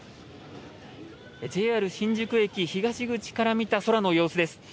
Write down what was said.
ＪＲ新宿駅東口から見た空の様子です。